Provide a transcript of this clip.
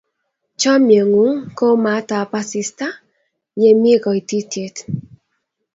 Chomye ng'ung' kou maat ap asista ye mi koitityet.